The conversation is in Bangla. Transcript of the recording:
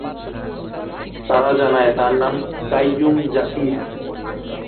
তারা জানায়, তার নাম কাইয়ুম জাকির।